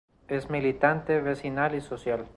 Es militante, vecinal y social.